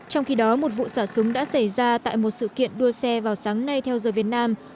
trong khi đó một vụ xả súng đã xảy ra tại một sự kiện đua xe vào sáng nay theo giờ việt nam